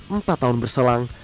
empat tahun berselang